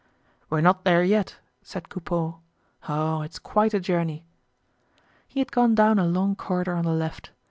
"We're not there yet," said Coupeau. "Oh! It's quite a journey!" He had gone down a long corridor on the left.